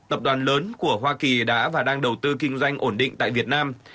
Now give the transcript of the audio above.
tập đoàn lớn của hoa kỳ đã và đang đầu tư kinh doanh ổn định tại việt nam